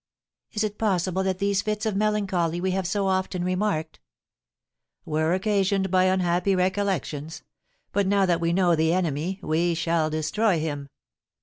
"Is it possible that these fits of melancholy we have so often remarked " "Were occasioned by unhappy recollections; but now that we know the enemy we shall destroy him."